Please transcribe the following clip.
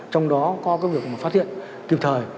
trong đó có công việc phát hiện kiểm thời